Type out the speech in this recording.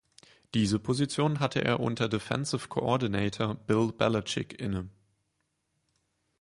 Diese Position hatte er unter Defensive Coordinator Bill Belichick inne.